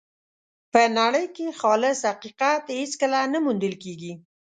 په نړۍ کې خالص حقیقت هېڅکله نه موندل کېږي.